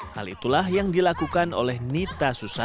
hal itulah yang dilakukan oleh nita susanto